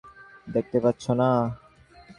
দেখতে পাচ্ছো না?